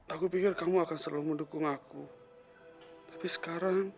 aku pikir kamu akan selalu mendukung aku